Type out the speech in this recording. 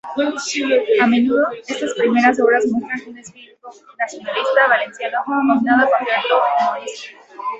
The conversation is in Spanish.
A menudo, estas primeras obras muestran un espíritu nacionalista valenciano combinado con cierto humorismo.